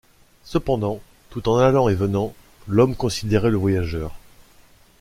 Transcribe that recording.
Cependant, tout en allant et venant, l’homme considérait le voyageur.